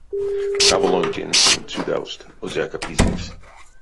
Кавалонтень сынь цюдавсть озяка пизэкс.